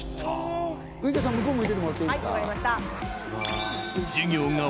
ウイカさん向こう向いててもらっていいですか。